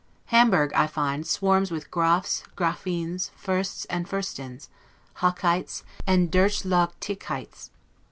Hamburg, I find, swarms with Grafs, Graffins, Fursts, and Furstins, Hocheits, and Durchlaugticheits.